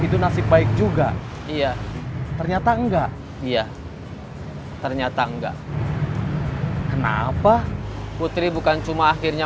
itu nasib baik juga iya ternyata enggak iya ternyata enggak kenapa putri bukan cuma akhirnya